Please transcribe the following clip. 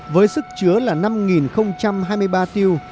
với sức chứa là năm hai mươi ba tiêu